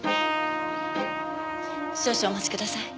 少々お待ちください。